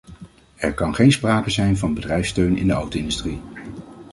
Er kan geen sprake zijn van bedrijfssteun in de auto-industrie.